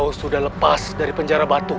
kau sudah lepas dari penjara batuku